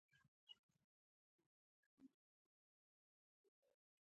بیا المونیم کلورایډ اوبلن محلول په هغه باندې ور زیات کړئ.